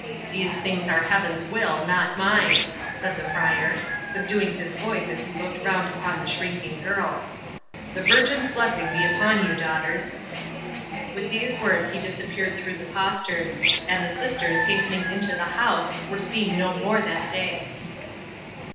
These things are Heaven's will, not mine," said the friar, subduing his voice as he looked round upon the shrinking girls. "The Virgin's blessing be upon you, daughters!" 'With these words he disappeared through the postern; and the sisters hastening into the house were seen no more that day.